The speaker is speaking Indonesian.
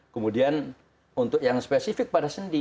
kemudian untuk yang spesifik pada sendi